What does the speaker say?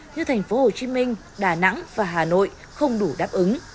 như thành phố hồ chí minh đà nẵng và hà nội không đủ đáp ứng